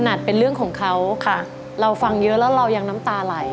อาจเป็นเรื่องของเขาค่ะเราฟังเยอะแล้วเรายังน้ำตาไหล